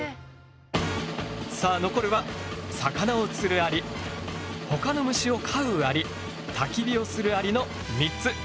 さあ残るは魚をつるアリほかの虫を飼うアリたき火をするアリの３つ。